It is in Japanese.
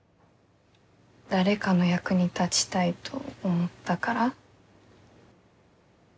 誰かの役に立ちたいと思ったから。